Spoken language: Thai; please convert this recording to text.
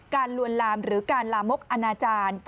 ลวนลามหรือการลามกอนาจารย์